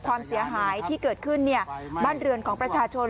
ความเสียหายที่เกิดขึ้นบ้านเรือนของประชาชน